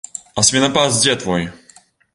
А свінапас дзе твой?